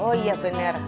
oh iya bener